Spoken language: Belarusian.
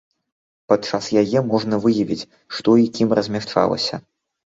Падчас яе можна выявіць, што і кім размяшчалася.